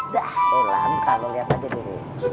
dah lo lantar lo liat aja deh